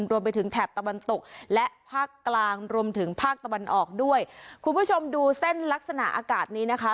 แถบตะวันตกและภาคกลางรวมถึงภาคตะวันออกด้วยคุณผู้ชมดูเส้นลักษณะอากาศนี้นะคะ